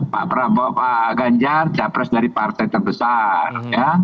pak prabowo pak ganjar capres dari partai terbesar